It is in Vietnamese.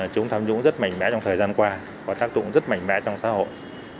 chống tham nhũng rất mạnh mẽ trong thời gian qua có tác dụng rất mạnh mẽ trong xã hội